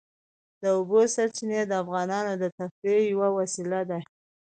د اوبو سرچینې د افغانانو د تفریح یوه وسیله ده.